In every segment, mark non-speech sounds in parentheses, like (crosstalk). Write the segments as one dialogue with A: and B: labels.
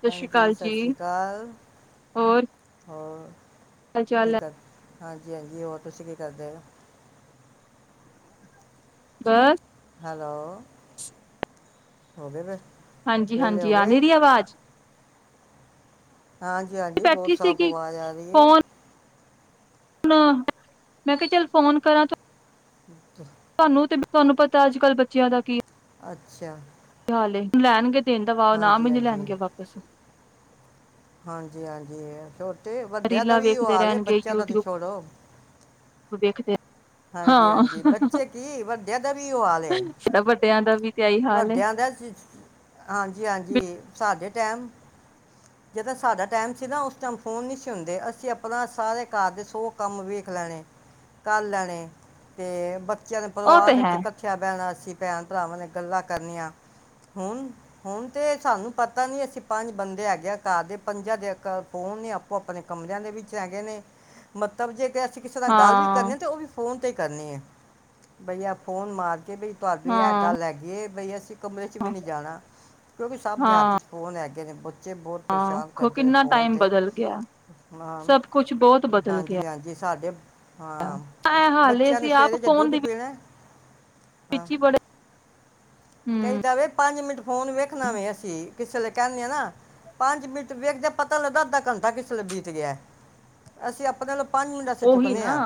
A: ਸਤਿ ਸ੍ਰੀ
B: ਹਾਂਜੀ
A: ਅਕਾਲ
B: ਸਸ ਰੀ
A: ਜੀ,
B: ਅ ਕਾਲ
A: ਹੋਰ
B: ਹੋਰ
A: ਹਾਲ
B: ਕੀ
A: ਚਾਲ ਹੈ?
B: ਕਰ ਹਾਂਜੀ-ਹਾਂਜੀ, ਹੋਰ ਤੁਸੀਂ ਕੀ ਕਰਦੇ ਹੋ?
A: ਬਸ
B: ਹੈਲੋ, ਹੋਗੇ ਵਿ
A: ਹਾਂਜੀ- ਹਾਂਜੀ ਆ ਨੀ ਰਹੀ ਆਵਾਜ਼।
B: ਹਾਂਜੀ- ਹਾਂਜੀ ਬਹੁਤ ਸਾਫ਼ ਆਵਾਜ਼ ਆ ਰਹੀ ਏ।
A: ਹੁਣ ਮੈਂ ਕਿਹਾ ਚੱਲ ਫੋਨ ਕਰਾਂ ਤੂੰ
B: (inaudible)
A: ਤੁਹਾਨੂੰ ਤੇ ਤੁਹਾਨੂੰ ਪਤਾ ਅੱਜ ਕੱਲ੍ਹ ਬੱਚਿਆਂ ਦਾ ਕੀ
B: ਅੱਛਾ,
A: ਹਲੇ ਲੈਣਗੇ। ਦੇਣ ਦਾ ਵਾ ਨਾ
B: ਹਾਂਜੀ
A: ਮੈਨੂੰ ਲੈਣਗੇ ਵਾਪਿਸ
B: ਹਾਂਜੀ-ਹਾਂਜੀ ਤੇ ਵੱਡਿਆਂ ਦਾ
A: ਰੀਲਾਂ
B: ਵੀ ਉਹ
A: ਵੇਖਦੇ
B: ਹਾਲ ਏ ਬੱਚਿਆਂ ਦਾ ਤੇ ਛੋੜੋ।
A: ਉਹ ਦੇਖਦੇ
B: ਹਾਂਜੀ -ਹਾਂਜੀ ਬੱਚੇ ਕੀ ਵੱਡਿਆਂ ਦਾ ਵੀ ਉਹੋ ਹਾਲ ਏ।
A: ਸਾਡਾ ਵੱਡਿਆਂ ਦਾ ਵੀ ਤੇ ਇਹੀ ਹਾਲ ਏ।
B: ਵਡਿਆਂ ਦਾ ਹਾਂਜੀ- ਹਾਂਜੀ ਸਾਡੇ ਜਿਦਾਂ ਸਾਡਾ ਟਾਈਮ ਸੀ ਨਾ ਉਸ ਟਾਈਮ ਫੋਨ ਨਹੀਂ ਸੀ ਹੁੰਦੇ, ਅਸੀਂ ਆਪਣਾ ਸਾਰੇ ਘਰ ਦੇ ਸੌ ਕੰਮ ਵੇਖ ਲੈਣੇ ਕਰ ਲੈਣੇ ਤੇ ਵ ਬੱਚਿਆਂ ਦੇ
A: ਉਹ
B: ਪਰਿਵਾਰ
A: ਤੇ
B: ਦੇ
A: ਹੈ,
B: ਵਿੱਚ ਕੱਠਿਆ ਬਹਿਣਾ ਸੀ। ਕਿ ਭੈਣ- ਭਰਾਵਾਂ ਨੇ ਗੱਲਾਂ ਕਰਨੀਆਂ ਹੁਣ ਹੁਣ ਤੇ ਸਾਨੂੰ ਪਤਾ ਨੀ ਅਸੀਂ ਪੰਜ ਬੰਦੇ ਹੈਗੇ ਆ ਘਰ ਦੇ ਪੰਜਾਂ ਦੇ ਅਲੱਗ ਅਲਗ ਫੋਨ ਨੇ ਆਪੋ- ਆਪਣੇ ਕਮਰਿਆਂ ਦੇ ਵਿੱਚ ਹੈਗੇ ਨੇ ਮਤਲਬ ਜੇ ਤੇ ਅਸੀਂ ਕਿਸੇ ਨਾਲ ਗੱਲ ਵੀ ਕਰਨੀ
A: ਹਾਂ-ਹਾਂ,
B: ਐ ਤਾਂ ਵੀ ਫੋਨ ਤੇ ਕਰਨੀ ਹੈ ਬਈਆ ਫੋਨ ਮਾਰ ਕਿ ਬਈ ਤੁਹਾਡੇ ਵੀ ਇਹ ਗੱਲ ਹੈਗੀ। ਬਈਆ ਸੀ ਕਮਰੇ ਚ ਵੀ
A: ਹਾਂ
B: ਨਹੀਂ ਜਾਣਾ, ਕਿਉਂਕਿ ਸਭ ਦੇ ਹੱਥ
A: ਹਾਂ
B: ਚ ਫੋਨ ਹੈਗੇ। ਜਿਹਦੇ ਬੱ ਬੱਚੇ ਬਹੁਤ
A: ਹਾਂ
B: ਪਰੇਸ਼ਾਨ
A: ਖੋ
B: ਕਰਦੇ ਨੇ
A: ਕਿੰਨਾ
B: ਫੋਨ
A: ਟਾਈਮ
B: ਤੇ
A: ਬਦਲ ਗਿਆ,
B: ਹਾਂ,
A: ਸਭ ਕੁਛ ਬਹੁਤ ਬਦਲ
B: ਹਾਂਜੀ- ਹਾਂਜੀ ਸਾਡੇ
A: ਗਿਆ।
B: ਹਾਂ,
A: ਐ ਹਾਲੇ
B: ਬੱਚਿਆਂ ਨੇ ਸਵੇਰੇ ਜੇ ਦੁੱਧ ਪੀਣਾ ਹਾਂ
A: ਪਿੱਛੀ ਪੜੇ
B: ਕਈ ਦਾਵੇ ਪੰਜ ਮਿੰਟ ਫੋਨ ਵੇਖਣਾ ਵੇ ਅਸੀਂ ਕਿਸੇ ਵੇਲੇ ਕਹਿੰਨੇ ਆ ਨਾ, ਪੰਜ ਮਿੰਟ ਵੇਖਦੇ, ਪਤਾ ਲੱਗਾ ਅੱਧਾ ਘੰਟਾ ਕਿਸ ਵੇਲੇ ਬੀਤ ਗਿਆ ਅਸੀਂ ਆਪਣੇ ਪੰਜ ਮਿੰਟ ਵਾਸਤੇ ਚੁੱਕਨੇ ਆਂ।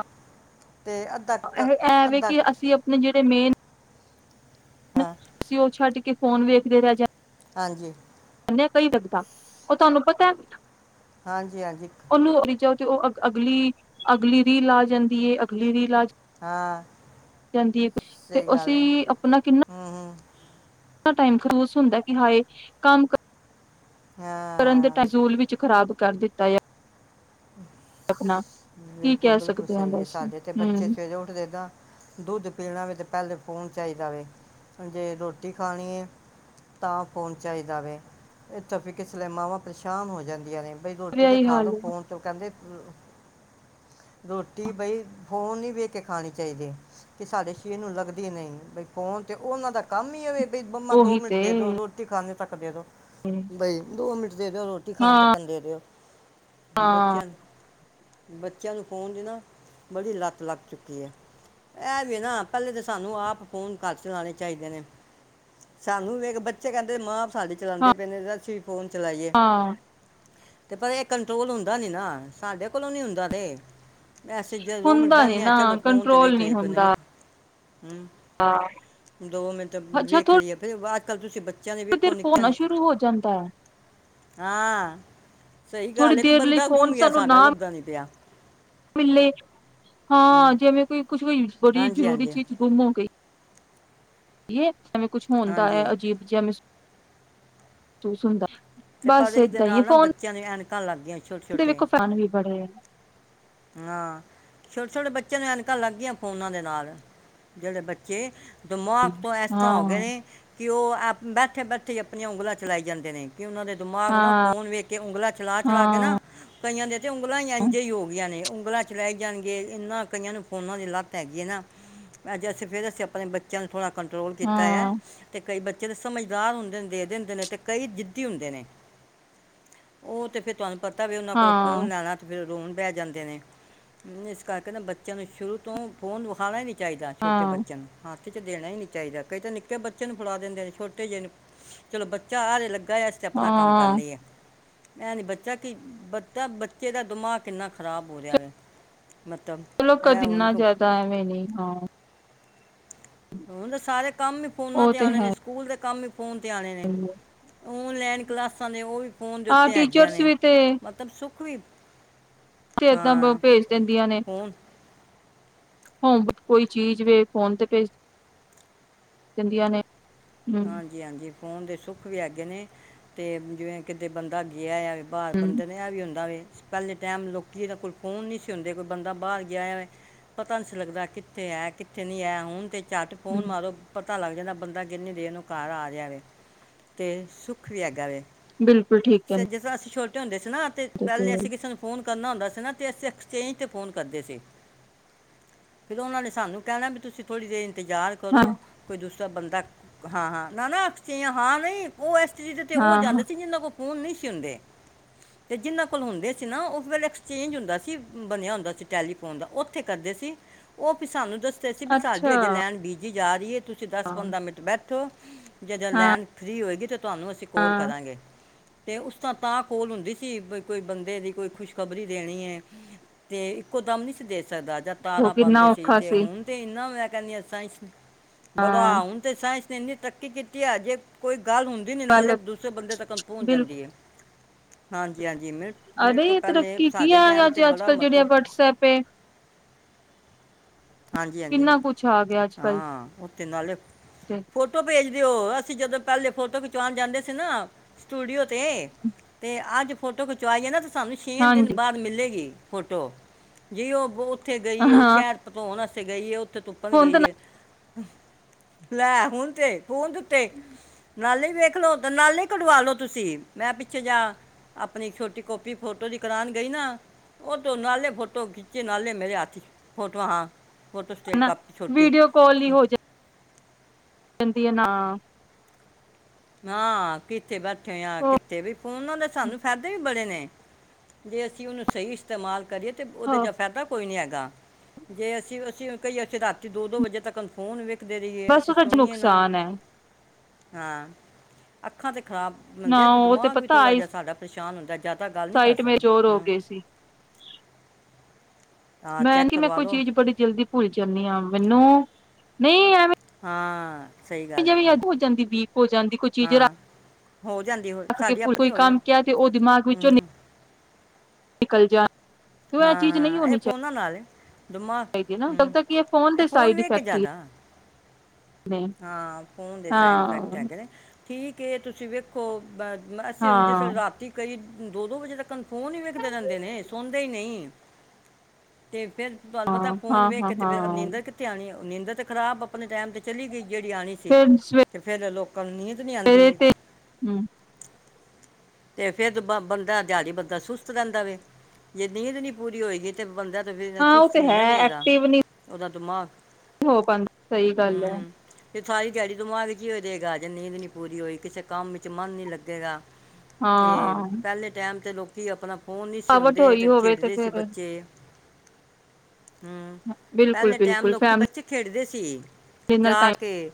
A: ਐ ਵੇ ਕਿ ਅਸੀਂ ਆਪਣੇ ਜਿਹੜੇ ਮੇਨ
B: ਹਾਂ
A: ਅਸੀ ਉਹ ਛੱਡ ਕੇ ਫ਼ੋਨ ਵੇਖਦੇ ਰਹਿ ਜਾ
B: ਹਾਂਜੀ
A: ਨਈ ਲੱਗਦਾ ਉਹ ਤੁਹਾਨੂੰ ਪਤਾ
B: ਹਾਂਜੀ- ਹਾਂਜੀ
A: ਉਹਨੂੰ ਰੀ ਜਾਓ ਤੇ ਉਹ ਅ ਅਗਲੀ ਅਗਲੀ ਰੀਲ ਆ ਜਾਂਦੀ ਐ, ਅਗਲੀ ਰੀਲ ਆ
B: ਹਾਂ
A: ਜਾਂਦੀ ਤੇ
B: ਸਹੀ ਗੱਲ ਹੈ
A: ਅਸੀਂ ਆਪਣਾ ਕਿੰਨਾ
B: ਹੂੰ ਹੂੰ
A: ਇੰਨਾ ਟਾਈਮ ਖੂਸ ਹੁੰਦਾ ਕਿ ਹਾਏ ਕੰਮ ਕਰ ਕਰਨ ਦੇ
B: ਹਾਂ
A: ਟਜ਼ੋਲ ਵਿੱਚ ਖ਼ਰਾਬ ਕਰ ਦਿੱਤਾ ਹੈ ਕੀ
B: ਬਿਲਕੁਲ
A: ਕਹਿ
B: -ਬਿਲਕੁਲ
A: ਸਕਦੇ ਹਾਂ
B: ਸਹੀ ਹੈ,
A: ਬਸ
B: ਸਾਡੇ ਤੇ ਬੱਚੇ
A: ਹੂੰ
B: ਸਵੇਰੇ ਉੱਠਦੇ ਨੇ ਨਾ ਏਦਾਂ ਦੁੱਧ ਪੀਣਾ ਵੀ ਤੇ ਪਹਿਲੇ ਫੋਨ ਚਾਹੀਦਾ ਵੇ ਜੇ ਰੋਟੀ ਖਾਣੀ ਹੈ ਤਾਂ, ਫੋਨ ਚਾਹੀਦਾ ਵੇ, ਇੱਥੋਂ ਫਿਰ ਕਿਸ ਵੇਲੇ ਮਾਵਾਂ ਪਰੇਸ਼ਾਨ ਹੋ ਜਾਂਦੀਆਂ ਨੇ। ਬਈ ਰੋਟੀ ਤਾਂ
A: ਇਹੀ
B: ਖਾ ਲ
A: ਹਾਲ ਹੈ
B: ਪਾਣ ਕਹਿੰਦੇ ਰੋਟੀ ਬਈ ਫੋਨ ਨੀ ਵੇਖ ਕੇ ਖਾਣੀ ਚਾਹੀਦੀ ਕਿ ਸਾਡੇ ਸਰੀਰ ਨੂੰ ਲੱਗਦੀ ਨਹੀਂ ਬਈ ਫੋਨ ਤੇ ਉਹਨਾਂ ਦਾ ਕੰਮ ਹੀ ਹੋਵੇ ਪਲੀਜ਼ ਮੰਮਾ ਦੋ
A: ਉਹੀ
B: ਮਿੰਟ
A: ਤੇ
B: ਦੇ ਦੋ ਰੋਟੀ ਖਾਣੇ ਤੱਕ ਕਰਦੇਿਆ ਦਿੋ (unintelligible) ਬਈ ਦੋ ਮਿੰਟ ਦੇ ਦਿਓ ਰੋਟੀ ਖਾਣੀ
A: ਹਾਂ
B: ਤੱਕਣ ਦਿਓ
A: ਹਾਂ
B: ਬੱਚਿਆਂ ਨੂੰ ਬੱਚਿਆਂ ਨੂੰ ਫੋਨ ਦੀ ਨਾ ਬੜੀ ਲੱਤ ਲੱਗ ਚੁੱਕੀ ਹੈ, ਇਹ ਵੀ ਨਾ ਪਹਿਲੇ ਤਾਂ ਸਾਨੂੰ ਆਪ ਫੋਨ ਕਰ ਚਲਾਉਣੇ ਚਾਹੀਦੇ ਨੇ ਸਾਨੂੰ ਵੇਖ ਬੱਚੇ ਕਹਿੰਦੇ ਮਾਂ ਸਾਡੇ ਚਲਾਉਂਦੇ ਪਏ ਨੇ ਅਸੀਂ ਫੋਨ ਚਲਾਈਏ
A: ਹਾਂ
B: ਤੇ ਭਤਾ (unintelligible) ਇਹ ਟੋਲ ਹੁੰਦਾ ਨੀ ਨਾ, ਸਾਡੇ ਕੋਲੋਂ ਨੀ ਹੁੰਦਾ ਤੇ ਏ ਸੀ ਚ ਦੋ ਮਿੰਟ
A: ਹੁੰਦਾ ਨੀ
B: ਬਹਿੰਨੇ ਆ
A: ਨਾ
B: ਚਲੋ ਫੋਨ ਤੇ
A: ਕੰਟਰੋਲ
B: ਵੇਖ
A: ਨੀ
B: ਲਈਏ ਕੋਈ ਨਵੀਂ
A: ਹੁੰਦਾ
B: ਹਮ ਦੋ ਮਿੰਟ
A: ਅੱਛਾ
B: ਵੇਖ
A: ਥੋੜੀ
B: ਲਂਈਏ ਭਈ ਬਾਅਦ ਚ, ਕ ਤੁਸੀਂ ਬੱਚੇ
A: ਦੇਰ ਹੋਣਾ ਸ਼ੁਰੂ ਹੋ ਜਾਂਦਾ ਹੈ
B: ਹਾਂ
A: ਥੋੜੀ
B: ਗੱਲ ਵੀ
A: ਦੇਰ ਲਈ
B: ਬੰਦਾ ਗੁੰਮ
A: ਫੋਨ
B: ਗਿਆ
A: ਸਾਨੂੰ
B: ਸਾਡਾ
A: ਨਾ
B: ਲੱਭਦਾ ਨੀ ਪਿਆ
A: ਮਿਲੇ ਹਾਂ
B: ਹੂੰ
A: ਜਿਵੇਂ ਕੋਈ ਕੁਛ ਵੀ ਬੜੀ
B: ਹਾਂਜੀ
A: ਜ਼ਰੂਰੀ
B: ਹਾਂਜੀ
A: ਚੀਜ਼ ਗੁੰਮ ਹੋ ਗ ਕੀ ਜਿਵੇਂ ਕੁਛ ਹੁੰਦਾ ਹੈ
B: ਹਾਂਜੀ
A: ਅਜੀਬ ਜਿਵੇਂ (inaudible)
B: ਤੇ ਪ ਇਹਦੇ ਨਾਲ ਨਾ ਬੱਚਿਆਂ ਨੇ ਐਨ ਲੱਗ ਗਿਆ
A: ਦੇਖ ਫੈਨ ਵੀ ਬੜੇ ਆ
B: ਹਾਂ ਛੋਟੇ ਛੋਟੇ ਬੱਚਿਆਂ ਨੂੰ ਐਨਕਾਂ ਲੱਗ ਗਈਆਂ ਫੋਨਾਂ ਦੇ ਨਾਲ ਜਿਹੜੇ ਬੱਚੇ ਦਿਮਾਗ ਤੋਂ ਇਸ ਤਰ੍ਹਾਂ ਹੋ ਗਏ
A: ਹਾਂ
B: ਨੇ ਕਿ ਉਹ ਬੈਠੇ ਬੈਠੇ ਆਪਣੀਆਂ ਉਂਗਲਾਂ ਚਲਾਈ ਜਾਂਦੇ ਨੇ ਕਿ ਉਹਨਾਂ ਦੇ ਦਿਮਾਗ ਨਾ
A: ਹਾਂ
B: ਫੋਨ ਵੇਖ ਕੇ ਉਂਗਲਾ ਚਲਾ ਚਲਾ ਕੇ
A: ਹਾਂ
B: ਨਾ ਕਈਆਂ ਦੇ ਤੇ ਉਂਗਲਲਾ ਹੀ ਇੰਝ ਹੀ ਹੋ ਉਂਗਲਾਂ ਚਲਾੈ ਜਾਣਗੇ ਇਨਾਂ ਕਈਆਂ ਨੂੰ ਫੋਨਾਂ ਦੀ ਲੱਤ ਹੈਗੀ ਹੈ ਨਾ ਅੱਜ ਅਸੀਂ ਫੇਰ ਅਸੀਂ ਆਪਣੇ ਬੱਚਿਆਂ ਨੂੰ ਥੜ੍ਹਾ ਕੰਟਰੋਲ ਕੀਤਾ ਹੈ
A: ਹਾਂ
B: ਅਤੇ ਕਈ ਬੱਚੇ ਦੇ ਸਮਝਦਾਰ ਹੁੰਦੇ ਨੇ ਦੇ ਦੇ ਹੁੰਦੇ ਨੇ ਤੇ ਕਈ ਜਿੱਦੀ ਹੁੰਦੇ ਨੇ ਉਹ ਤੇ ਫੇਿਰ ਤੁਹਾਨੂੰ ਪਤਾ ਵੀ ਉਹਨਾਂ ਕੋਲ
A: ਹਾਂ
B: ਫੋਨ ਲੈਣਾ ਤੇ ਫ ਰੋ ਬਹਿ ਜਾਂਦੇ ਨੇ ਇਸ ਕਰਕੇ ਨਾ ਬੱਚਿਆਂ ਨੂੰ ਸ਼ੁਰੂ ਤੋਂ ਫੋਨ ਵਿਖਾਉਣਾ ਹੀ ਨਹੀਂ ਚਾਹੀਦਾ ਛੋਟੇ
A: ਹਾਂ
B: ਬੱਚਿਆਂ ਨੂੰ ਹਾਂ ਚ ਦੇਣਾ ਹੀ ਨੀ ਚਾਹੀਦਾ ਕਈ ਤਾਂ ਨਿੱਕੇ ਬੱਚੇ ਨੂੰ ਫੜਾ ਦਿੰਦੇ ਨੇ ਛੋਟੇ ਜਿਹੇ ਨੂੰ ਚਲੋ ਬੱਚਾ ਹਾਰੇ ਲੱਗੇ ਕਸਟ ਆਪਣਾ ਕੰਮ ਕਰਨ
A: ਹਾਂ
B: ਲਈ ਆ ਐ ਨੀ ਬੱਚਾ ਕੀ ਬੱਚਾ ਬੱਚੇ ਦਾ ਦਿਮਾਗ ਕਿੰਨਾ ਖ਼ਰਾਬ ਹੋ ਰਿਹਾ ਵ
A: ਚਲੋ ਕ ਇਨਾ ਜ਼ਿਆਦਾ ਐਵੇਂ ਨੀ ਹਾਂ
B: ਹੁਣ ਤੇ ਸਾਰੇ ਕੰਮ ਹੀ ਫੋਨਾਂ
A: ਉਹ
B: ਦੇ
A: ਤੇ
B: ਆਉਣੇ
A: ਹੈ
B: ਨੇ ਸਕੂਲ ਦੇ ਕੰਮ ਹੀ ਫੋਨ 'ਤੇ ਆਉਣੇ ਨੇ
A: ਹੀ।
B: ਔਨਲਾਈਨ ਕਲਾਸਾਂ ਦੇ ਉਹ ਵੀ ਫੋਨ ਦੇ
A: ਹਾਂ
B: ਉੱਤੇ ਹੈਗੀਆਂ
A: ਟੀਚਰਸ
B: ਨੇ
A: ਵੀ
B: ਮਤਲਬ ਸੁ ਕੁਵੀਬ
A: ਸਿਹਤਾਂ ਭੇਜ ਦਿੰਦੀਆਂ ਨੇ
B: ਫੋਨ
A: ਹੁ ਕੋਈ ਚੀਜ਼ ਵ ਫੋਨ ਤੇ ਭੇਜ ਦਿੰਦੀਆਂ ਨੇ
B: ਹਾਂਜੀ ਹਾਂਜੀ ਫੋਨ ਦੇ ਸੁੱਖ ਵੀ ਹੈਗੇ ਨੇ ਤੇ ਜਿਵੇਂ ਕਿਤੇ ਬੰਦਾ ਗਿਆ ਆ ਬਾਹਰ
A: ਹੂੰ-ਹੂੰ-ਹੂੰ
B: ਬੰਦੇ ਨੇ ਵੀ ਆਉਦਾ ਵੀ ਪਹਿਲੇ ਟਾਈਮ ਲੋਕੀ ਤਾਂ ਕੋਈ ਫੋਨ ਨਹੀਂ ਸੀ ਹਉਦੇ ਕੋਈ ਬੰਦਾ ਬਾਹਰ ਗਿਆ ਹੋ ਪਤਾ ਨਹੀਂ ਸੀ ਲਗਦਾ ਕਿੱਥੇ ਹੈ ਕਿੱਥੇ ਨਹੀਂ ਹੈ ਹੁਣ ਤੇ ਚੱਟ ਫੋਨ ਮਾਰੋ ਪਤਾ ਲੱਗ ਜਾਂਦਾ ਬੰਦਾ ਕਿੰਨੀ ਦੇਰ ਨੂੰ ਕਾਰ ਆ ਜਾਹਾ ਵ ਤੇ ਸੁੱਖ ਵੀ ਹੈਗਾ ਵ
A: ਬਿਲਕੁਲ ਠੀਕ ਹੈ ਜੀ
B: ਹ ਨਾ ਤੇ ਪਹਿਲੇ ਅਸੀਂ ਕਿਸੇ ਨੂੰ ਫੋਨ ਕਰਨਾ ਹੁੰਦਾ ਸੀ ਨਾ ਅਸੀਂ ਐਕਸਚੇਂਜ ਤੇ ਫੋਨ ਕਰਦੇ ਸੀ ਫਿਰ ਉਹਨਾਂ ਨੇ ਸਾਨੂੰ ਕਹਿਣਾ ਵੀ ਤੁਸੀਂ ਥੋੜੀ ਰੇਂ ਇੰਤਜ਼ਾਰ ਕਰੋ ਕੋਈ ਦੂ ਤਾਂ ਬੰਦਾ ਹਾਂ ਹਾਂ ਨਾ ਨਾ ਅ ਹਾਂ ਨਹੀਂ ਉਹ ਤੇ ਉਹ
A: ਹਾਂ-ਹਾਂ-ਹਾਂ
B: ਜਾਂਦੇ ਸੀ ਜਨਾਂ ਕੋਲ ਫੋਨ ਨਹੀਂ ਸੀ ਹੁੰਦੇ ਤੇ ਜਿਹਨਾਂ ਕੋਲ ਹੁੰਦੇ ਸੀ ਨਾ ਉਹ ਫਿਰ ਐਕਸਚੇਂਜ ਹੁੰਦਾ ਸੀ ਬਣਿਆ ਹੁੰਦਾ ਸੀ ਟੈਲੀਫੋਨ ਦਾ ਉੱਥੇ ਕਰਦੇ ਸੀ ਉਹ ਸਾਨੂੰ ਦ ਅਸੀਂ ਵੀ ਸਾਲ ਦੀ
A: ਅੱਛਾ
B: ਹਜੇ ਲੈਣ ਬੀਜ ਜਾ ਰਹੀ ਹੈ ਤੁਸੀਂ ਦਸ ਪੰਦਰਾਂ ਮਿੰ ਅੱਠ ਜਦੋਂ
A: ਹਾਂ-ਹਾਂ
B: ਲੈਨ ਫਰੀ ਹੋਏਗੀ ਤਾਂ ਤੁਹਾਨੂੰ ਅਸੀਂ ਕੋਲ ਕਰਾਂਗੇ ਅਤੇ ਉਸ ਤ ਤਾਂਾਹ ਕੋਲ ਹੁੰਦੀ ਸੀ ਕੋਈ ਬੰਦੇ ਦੀ ਕੋਈ ਖੁਸ਼ਖਬਰੀ ਦੇਣੀ ਹੈ ਤੇ ਇੱਕੋ ਦਮ ਨਹੀਂ ਸੀ ਦੇ ਸਕ ਸਕਦਾ ਜਾਂ
A: ਉਹ
B: ਤਾਰਾਂ
A: ਕਿੰਨਾ
B: ਪਾਉਂਦੇ ਸੀ
A: ਔਖਾ
B: ਤੇ ਹੁਣ ਤੇ ਇਨਾ ਕਹਿੰਦੀ ਤਾਂ ਹੀ
A: ਹਾਂ
B: ਬੜਾ ਹੁ ਇਸਨ ਇੰਨੀ ਤਰੱਕੀ ਕੀਤੀ ਹੈਜੇ ਕੋਈ ਗੱਲ ਹੁੰਦੀ ਨੀ ਨਾਲੇ
A: ਗੱਲ
B: ਦੂਸਰੇ ਬੰਦੇ ਤੱਕ ਪਹੁੰਚ ਜਾਂਦੀ ਹੈ ਹਾਂਜੀ ਹਾਂਜੀ ਮਿੰਟ ਮਿੰਟ ਤੋਂ
A: ਅ
B: ਪਹਿਲੇ
A: ਤਰੱਕੀ ਕੀ
B: ਸਾਡੇ
A: ਆ
B: ਟਾਈਮ ਤੇ
A: ਅੱਜ ਅੱਜ
B: ਬੜਾ
A: ਕਲ ਜਿਹੜੇ ਆ
B: ਮਤਲਬ
A: ਵਟਸਐਪ
B: ਹਾਂਜੀ
A: ਕਿੰਨਾ ਕੁੱਛ ਆ ਗਿਆ ਅੱਜ ਕੱਲ
B: ਅਤੇ ਨਾਲੇ ਫੋਟੋ ਭੇਜ ਦਿਓ ਅਸੀਂ ਜਦੋਂ ਪਹਿਲੇ ਫੋਟੋ ਖਿਚਵਾਣ ਜਾਂਦੇ ਸੀ ਨਾ ਸਟੂਡੀਓ ਤੇ ਤੇ ਅੱਜ ਫੋਟੋ ਖਿਚਵਾਈਏ ਨਾ ਸਾਨੂੰ ਛੇ ਦਿਨ
A: ਹਾਂਜੀ
B: ਬਾਅਦ ਮਿਲੇਗੀ। ਫੋਟੋ ਜੀ ਉਹ ਬਹੁਤ ਉੱਥੇ ਗਈ ਉਹ
A: ਹਾਂ
B: ਸ਼ਹਿਰ ਹੋਣਾ ਸੀ ਗਈ ਉਹ ਉੱਥੇ ਤੁੁੱਪਣ
A: ਹੁਣ ਤਾਂ
B: ਗਈ ਏ। ਲੈ ਹੁਣ ਤੇ ਫੂਨ ਦੇ ਉੱਤੇ ਨਾਲੇ ਵੇਖਲੋ, ਤਾਂ ਨਾਲੇ ਕਢਵਾ ਲੋ ਤੁਸੀਂ ਮੈਂ ਪਿੱਛੇ ਜਾ ਆਪਣੀ ਛੋਟੀ ਕਾਪੀ ਫੋਟੋ ਦੀ ਕਰਾਣ ਗਈ ਨਾ ਉਹ ਤੋਂ ਨਾਲੇ ਫੋਟੋ ਖਿੱਚੇ ਨਾਲੇ ਮੇਰੇ ਹੱਥ ਫੋ ਵਾਹ! ਫੋਟੋ ਸਟੇਟ
A: ਨਾ
B: ਕਾਪੀ ਛੋਟੀ
A: ਵੀਡੀਓ ਕਾਲ
B: ਹੂੰ।
A: ਕੀ ਐ ਨਾ
B: ਹਾਂ ਕਿ ਕਿੱਥੇ ਬੈਠੇ ਆ
A: ਉਹ
B: ਕਿੱਤੇ ਵੀ ਫੋਨਾਂ ਦੇ ਸਾਨੂੰ ਫਾਇਦੇ ਵੀ ਬੜੇ ਨੇ। ਜੇ ਅਸੀਂ ਉਹਨੂੰ ਸਹੀ ਇਸਤੇਮਾਲ ਕਰੀਏ ਤੇ ਉਹਦੇ
A: ਹਾਂ
B: ਜੇਹਾ ਫਾਇਦਾ ਕੋਈ ਨੀ ਹੈਗਾ ਜੇ ਅਸੀਂ ਅਸੀਂ ਕਹੀਏ ਅਸੀਂ ਰਾਤੀ ਦੋ- ਦੋ ਵਜੇ ਤੱਕ ਫੋਨ ਵੇਖ
A: ਬਸ ਉਹਦੇ ਚ ਨੁਕਸਾਨ ਹੈ।
B: ਹਾਂ। ਅੱਖਾਂ ਤੇ ਖਰਾਬ ਬਣਦੇ
A: ਨਾ
B: ਆ ਤੇ
A: ਉਹ
B: ਦਿਮਾਗ ਵੀ
A: ਪਤਾ
B: ਥੋੜ੍ਹਾ
A: ਆਈ
B: ਜਿਹਾ ਸਾਡਾ ਕੁਛ (unintelligible) ਹੁੰਦਾ ਜਾਂ ਤਾ ਗੱਲ ਨਹੀਂ ਕਰ
A: ਸਾਈਟ ਮੇ
B: ਸਕਦੇ,
A: ਚੋਰ ਹੋ
B: ਹੂੰ।
A: ਗਏ ਸੀ ਮੈਂ ਨੀ ਮੈਂ ਕੋਈ ਚੀਜ਼ ਬੜੀ ਜਲਦੀ ਭੁੱਲ ਜਾਂਦੀ ਹਾਂ, ਮੈਨੂੰ ਨਹੀਂ ਐਵੇ
B: ਹਾਂ। ਸਹੀ ਗੱਲ ਹੈ
A: ਜਿਵੇਂ ਯਾਦ ਭੁਲ ਜਾਂਦੀ ਵੀਕ ਹੋ ਜਾਂਦੀ ਕੋਈ ਚੀਜ਼ ਰ
B: ਹਾਂ ਹੋ ਜਾਂਦੀ ਹੋ
A: ਰੱਖ ਕੇ
B: ਸਾਡੀ ਆਪਣੀ
A: ਕੋਈ
B: ਹੋ ਗਈ
A: ਕੰਮ ਕਿਹਾ ਤੇ ਉਹ ਦਿਮਾਗ ਵਿੱਚੋਂ ਨਿਕ
B: ਹੂੰ
A: ਨਿਕਲ ਜਾ। ਤੇ ਉਹ ਇਹ
B: ਹਾਂ,
A: ਚੀਜ਼ ਨਹੀਂ
B: ਹਾਂ ਇਹ
A: ਹੋਣੀ
B: ਫੋਨਾਂ ਨਾਲ ਏ।
A: ਲੱਗਦਾ ਕਿ ਇਹ ਫੋਨ ਦੇ ਸਾਈਡ
B: ਵੇਖ ਕੇ
A: ਇਫੈਕਟ ਹੀ
B: ਜ਼ਿਆਦਾ
A: ਨੇ
B: ਹਾਂ ਫੋਨ ਦੇ ਸਾਈਡ ਇਫੈਕਟ
A: ਹਾਂ
B: ਹੈਗੇ ਨੇ। ਠੀਕ ਏ ਤੁਸੀ ਵੇਖੋ। ਬਸ ਅਸੀਂ ਹੁਣ ਜਿਸ
A: ਹਾਂ
B: ਰਾਤੀ ਕਈ ਦੋ ਦੋ ਵਜੇ ਤੱਕਨ ਫੋਨ ਹੀ ਵੇਖਦੇ ਰਹਿੰਦੇ ਨੇ ਸੌਂਦੇ ਹੀ ਨਹੀਂ ਤੇ ਫੇਰ ਤੁਹਾਨੂੰ ਪਤਾ ਏ
A: ਹਾਂ
B: ਫੋਨ
A: ਹਾਂ
B: ਵੇਖ
A: ਹਾਂ
B: ਕੇ ਕਿਤੇੇ
A: ਹਾਂ
B: ਨਿੰਂਦਰ ਕਿਥੇ ਆਣੀ ਅ। ਨੀਂਦਰ ਤੇ ਖਰਾਬ ਆਪਣੇ ਟੈਮ ਤੇ ਚਲੀ ਗਈ। ਜੀ ਆਣੀ ਸੀ
A: ਫਿਰ
B: ਤੇ ਫਿਰ ਲੋਕ। (unintelligible) ਨੀਂਦ ਨੀ ਅੰਦੀ।
A: ਸਵੇਰੇ ਤੇ ਹੂੰ
B: ਤੇ ਫੇਰ ਬ ਬੰਦਾ ਦਿਆੜੀ ਬੰਦਾ ਸੁਸਤ ਰਹਿੰਦਾ ਵੇ ਜੇ ਨੀਂਦ ਨੀ ਪੂਰੀ ਹੋਏਗੀ ਤੇ ਬੰਦਾ (unintelligible) ਫੇਰ
A: ਹਾਂ ਉਹ
B: ਚੁਸਤ
A: ਤੇ
B: ਨੀ ਨਾ ਰਹੇਗਾ ਉਹਦਾ ਦਿਮਾਗ।
A: ਉਹ ਪਾਂਦਾ ਸਹੀ ਗੱਲ ਹੈ।
B: ਤੇ ਸਾਰੀ ਦਿਹਾੜੀ ਦਿਮਾਗ ਚ ਹੀ ਹੋ ਰਹੇਗਾ, ਜੇ ਨੀਂਦ ਨੀ ਪੂਰੀ ਹੋਈ ਕਿਸੇ ਕੰਮ ਵਿਚ ਮਨ ਨੀ ਲੱਗੇਗਾ। ਤੇ
A: ਹਾਂ
B: ਪਹਿਲੇ ਟਾਈਮ ਤੇ ਲੋਕ। ਕੀ ਆਪਣਾ ਫੋਨ ਨਹੀਂ ਸੀ
A: ਥਕਾਵਟ
B: ਹੁੰਦੇ
A: ਹੋਈ
B: ਤੇ
A: ਹੋਵੇ
B: ਖੇਡਦੇ ਸੀ
A: ਫਿਰ
B: ਬੱਚੇ (inaudible) ਹੂੰ,
A: ਬਿਲਕੁਲ
B: ਪਹਿਲੇ ਟਾਈਮ
A: ਬਿਲਕੁਲ
B: ਲੋਕੀ
A: ਫੈਮਲੀ
B: ਬੱਚੇ ਖੇਡਦੇ ਸੀ। (inaudible)
A: ਨਾਲ
B: ਜਾ
A: ਟਾਈਮ
B: ਕੇ,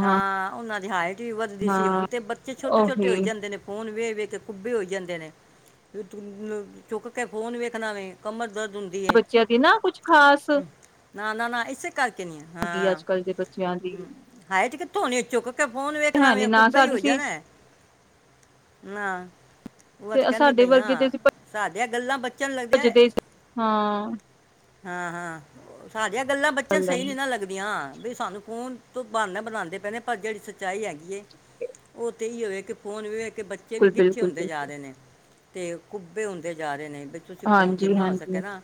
B: ਹਾਂ ਉਹਨਾਂ (inaudible) ਵੱਧਦੀ ਸੀ,
A: ਹਾਂ
B: ਹੁਣ ਤੇ ਬੱਚੇ ਛੋਟੇ ਛੋਟੇ
A: ਉਹੀ
B: ਹੋਈ ਜਾਂਦੇ ਨੇ। ਵੇ ਵੇਖ ਕੁੱਬੇ ਹੋਈ ਜਾਂਦੇ ਨੇ (unintelligible) ਚੁੱਕ ਕੇ ਫੋਨ ਵੇਖਣਾ ਵੀ ਕਮਰ ਦਰਦ। ਹੁੰਦੀ ਏ
A: ਬੱਚਿਆਂ ਦੀ ਨਾ ਕੁਛ ਖ਼ਾਸ।
B: ਨਾ ਨਾ ਨਾ ਇਸੇ। ਕਰਕੇ ਨੀ ਆ
A: ਹੈਗੀ ਅੱਜ
B: ਹਾਂ
A: ਕੱਲ੍ਹ ਦੇ ਬੱਚਿਆਂ ਦੀ
B: (unintelligible) ਉਹਨੀ ਚੁੱਕ ਫੋਨ ਵੇਖਣਾ
A: ਹੈ ਨੀ
B: ਵੀ
A: ਨਾ
B: ਕੁੱਬੇ ਹੀ
A: ਸਾਡੀ
B: ਹੋਏ
A: ਸੀ
B: ਜਾਣਾ ਏ। ਹਾ (inaudible)
A: ਤੇ
B: ਵਤਕਣ ਨੀ
A: ਸਾਡੇ
B: ਪਈਆਂ
A: ਵਰਗੇ ਤੇ ਅਸੀਂ
B: (unintelligible) ਸਾ ਇਹ ਗੱਲਾਂ ਬੱਚ
A: (unintelligible) ਹਾਂ
B: (unintelligible) ਇਹ ਗੱਲਾਂ ਬੱਚਿਆਂ ਨੂੰ ਸਹੀ ਨਹੀਂ ਨਾ
A: ਬਿਲਕੁਲ
B: ਲੱਗਦੀਆਂ, ਵੀ ਸਾਨੂੰ ਫ਼ੋਨ ਕੋਇ ਬਾਨੇ ਬਨਾਦੇ ਪਏ ਨੇ, ਪਰ ਜਿਹੜੀ ਸੱਚਾਈ ਹੈਗੀ ਹੈ। (unintelligible) (unintelligible) ਵੇਖ ਫੋਨ ਵੇਖ਼ ਬੱਚੇ ਵੀ ਗਿੱਠੇ
A: ਬਿਲਕੁਲ
B: ਹੁੰਦੇ
A: ਬਿਲਕੁਲ
B: ਜਾ ਰਹੇ ਨੇ। ਅਤੇ ਕੁਬੇ ਹੁੰਦੇ ਜਾ ਰੇ ਨੇ। ਤੁਸੀਂ ਫੋਨ
A: ਹਾਂਜੀ
B: ਜਿੰਨਾ ਹੋ ਸਕੇ
A: ਹਾਂਜੀ
B: ਨਾ।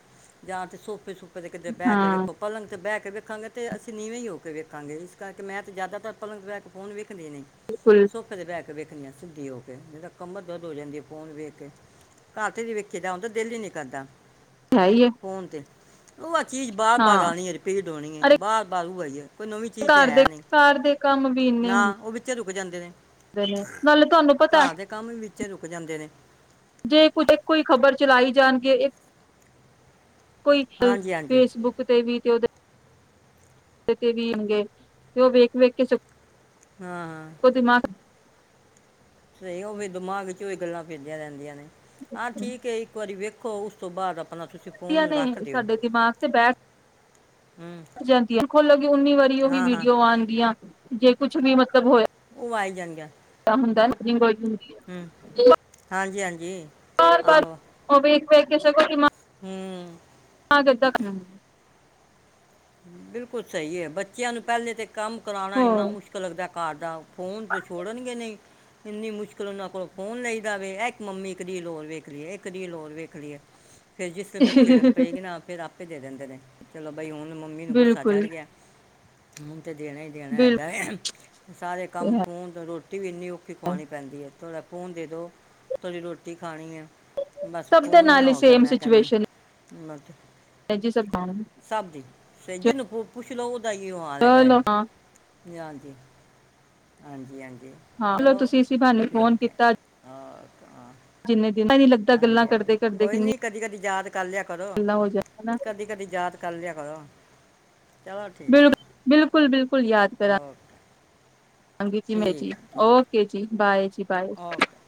B: ਜਾਂ ਤਾਂ ਸੋਫੇ ਸੁ ਕਿਤੇ ਬਹਿ ਕੇ
A: ਹਾਂ
B: ਵੇਖੋ, ਪਲੰਗ ਤੇ ਬਹਿ ਕੇ ਵੇਖਾਂਗੇ ਤੇ ਅਸੀਂ ਨੀਵੇਂ ਹੀ ਹੋ ਕੇ ਵੇਖਾਂਗੇ, ਇਸ ਕਰਕੇ ਮੈਂ ਤੇ ਜ਼ਿਆਦਾਤਰ ਪਲੰਘ ਤੇ ਬੈਠ ਕੇ ਫੋਨ ਵੇਖ ਹੂੰ,
A: ਬਿਲਕੁਲ
B: ਸੋਫੇ ਤੇ ਬੈਠ ਕੇ ਵੇਖਣੀ ਆ ਸਿੱਧੀ ਹੋ ਕੇ। ਤਾਂ ਕਮਰ ਦਰਦ ਹੋ ਜਾਂਦੀ ਐ ਫੋਨ ਵੇਖ ਕੇ, ਘੱਟ ਹੀ ਵੇਖੀਦਾ ਹੁੰਦਾ ਦਿਲ ਹੀ ਨੀਂ ਕਰਦਾ।
A: ਹੈ ਹੀ ਹੈ
B: ਫੋਣ ਤੇ ਉਹ ਅੱ ਚੀਜ਼ ਬਾਰ-ਬਾਰ
A: ਹਾਂ
B: ਆਉਣੀ ਐ, ਰਿਪੀਡ ਹੋਣੀ ਐ।
A: ਅਰੇ
B: ਬਾਰ ਬਾਰ ਹੂ ਆਈ ਏ।
A: ਘਰ ਦੇ ਕਾਰ ਦੇ ਕੰਮ ਵੀ ਨੇ ਇੰਨੇ ਹੁੰਦ
B: ਹੋ ਜਾਂਦੇ ਨੇ।
A: ਦੇ ਨੇ ਮਲਬ
B: ਘਾਰ ਦੇ ਕੰਮ ਵੀ ਵਿੱਚੇ ਰੁਕ ਜਾਂਦੇ ਨੇ।
A: ਜੇ ਕੁਛ ਇੱਕੋ ਈ ਖ਼ਬਰ ਚਲਾਈ ਜਾਣਗੇ। ਇੱਕ ਕੋਈ
B: ਹਾਂਜੀ ਹਾਂਜੀ
A: ਫੇਸਬੁੱਕ ਤੇ ਵੀ ਤੇ ਔਦੇ ਤੇ ਵੀ ਅ ਆਣਗੇ ਤੇ ਔ ਵੇਖ-ਵੇਖ ਕੇ ਸ
B: ਹਾਂ ਹਾਂ। ਸਹੀ ਔ ਵੀ ਦਿਮਾਗ ਇਚ ਔਈ ਗੱਲਾਂ ਫਿਰਦੀਆਂ ਰੈੰਦੀਆਂ ਨੇ। ਹਾਂ ਠੀਕ ਏ ਇੱਕ ਵਾਰੀ ਵੇਖ ਖੋ ਉਸ ਤੋਂ ਬਾਅਦ ਅਪ
A: ਦੀਆਂ ਨੇ ਸਾਡੇ ਦਿਮਾਗ ਤੇ ਬੈਠ
B: ਹੂੰ
A: (unintelligible) ਜਾਂਦੀਐ ਖੋਲੋਗੇ ਉੱਨੀ ਵਾਰੀ ਓਹੀ
B: ਹਾਂ ਹਾਂ
A: ਵੀਡੀਓ ਆਉਣ ਗੀਆਂ ਜੇ ਕੁਛ ਵੀ ਮਤਲਬ ਹੋਏ
B: ਉਆ ਆਈ ਜਾਂਣਗੀਆ।
A: ਹੁੰਦੈ (unintelligible) ਹੁੰਦੀ ਐ (unintelligible)
B: ਹਾਂਜੀ ਹਾਂਜੀ।
A: ਬਾਰ ਬਾਰ ਔ ਵੇਖ ਵੇਖ ਕੇ ਸਗੋਂ ਦਿਮਾਗ
B: ਹੂਂ।
A: ਏਦਾਂ
B: ਬਿਲਕੁਲ ਸਹੀ ਏ ਬੱਚਿਆਂ ਨੂੰ ਪੈਲੇ ਤੇ ਕੰਮ ਕਰਾਣਾ ਇੰਨਾ
A: ਹੋਰ
B: ਮੁਸ਼ਕਿਲ ਲੱਗਦੈ। ਘਾਰ ਦਾ ਫੋਨ ਤਾਂ ਛੋੜਨਗੇ ਨਹੀਂ, ਇੰਨੀ ਮੁਸ਼ਕਿਲ ਉਨਾਂ ਕੋਲੋਂ ਫੋਨ ਲਈ ਦਾਵੇ। ਐ ਇਕ ਮੰਮੀ ਇੱਕ ਰੀਲ ਹੋਰ ਵੇਖ ਲਈਏ ਇੱਕ ਰੀਲ ਹੋਰ ਵੇਖ ਲਈਏ। ਫੇਰ ਜਿਸ ਫੇਰ ਝਿੜਕ ਪਏਗੀ ਨਾ ਫੇਰ ਆਪ ਫੇਰ ਦੇ ਦਿੰਦੇ ਨੇ, ਚਲੋ ਬਈ ਹੁਣ ਨ ਮੰਮੀ ਨੂੰ ਗੁੱਸਾ ਚੜ੍ਹ ਗਿਆ। ਹੂੰ। ਹੁਣ ਤੇ ਦੇਣਾ ਈ ਦੇਣਾ
A: ਬਿਲਕੁਲ-ਬਿਲਕੁਲ
B: ਹੈਗਾ ਏ, ਸਾਰੇ ਕੰਮ ਫੋਨ ਤੋ ਰੋਟੀ ਵੀ ਇੰਨੀ ਔਖੀ ਖਵਾਣੀ ਪੈਂਦੀ ਏ। ਥੋੜ੍ਹਾ ਫੋਨ ਦੇ ਦੋ ਥੋੜ੍ਹੀ ਰੋਟੀ ਖਾਣੀ ਏ। ਬਸ
A: ਸਭ ਦੇ
B: ਫੋਨ ਹੀ
A: ਨਾਲ
B: ਨਾ ਹੋ ਗਿਆ ਮੈਂ ਕੈਨੀ ਆ (unintelligible)
A: ਹੈਜੀ ਸਭ ਬਾਣਵੇ
B: ਸੇ ਜਿਨੂੰ ਕੋ ਪੁੱਛ ਲੋ ਔ ਦਾ ਐਈਓ ਹਾਲ ਹੈਗਾ ਐ।
A: ਚਲੋ ਹਾਂ-ਹਾਂ
B: ਨੀ ਹਾਂਜੀ, ਹਾਂਜੀ- ਹਾਂਜੀ।
A: ਹਾਂ ਚਲੋ ਤੁਸੀਂ ਇਸੀਂ ਭਹਾਣੇ ਫੋਨ
B: ਠੀਕ ਹੈ
A: ਕੀਤਾ
B: ਓਕੇ, ਹਾਂ,
A: ਜਿੰਨੇ ਪਤਾ ਨੀ ਲੱਗਦਾ ਗੱਲਾਂ
B: ਹਾਂਜੀ ਹਾਂਜੀ
A: ਕਰਦੇ-ਕਰਦੇ
B: ਕੋਈ
A: ਕਿੰਨੀ
B: ਨਹੀਂ (unintelligible) ਕਰ ਲਿਆ ਕਰੋ।
A: ਗੱਲਾਂ ਹੋ ਜਾਣ ਹਨਾ
B: ਕਦੀ-ਕਦੀ ਯਾਦ ਕਰ ਲਿਆ ਕਰੋ। ਚਲੋ ਠੀਕ ਹੈ
A: ਬਿਲਕੁਲ-ਬਿਲਕੁਲ- ਬਿਲਕੁਲ ਯ (unintelligible)
B: ਓਕੇ
A: ਹਾਂਜੀ ਮੈਂ ਜੀ
B: ਠੀਕ ਹੈ ਠੀਕ
A: ਓਕੇ ਜੀ ਬਾਏ। ਬਾਏ।
B: ਓਕੇ